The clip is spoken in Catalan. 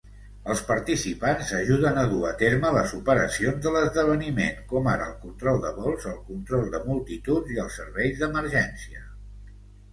Els participants ajuden a dur a terme les operacions de l'esdeveniment, com ara el control de vols, el control de multituds i els serveis d'emergència.